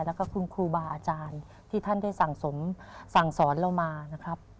แล้วก็คุณครูบาอาจารย์ที่ท่านได้สั่งสมสั่งสอนเรามานะครับ